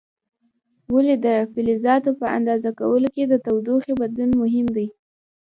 ولې د فلزاتو په اندازه کولو کې د تودوخې بدلون مهم دی؟